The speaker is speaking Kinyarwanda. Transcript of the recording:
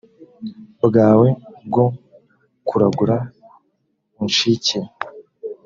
bwawe bwo kuragura unshikire